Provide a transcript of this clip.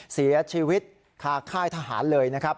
เสียชีวิตข้าวใคร่ทหารเลยนะครับ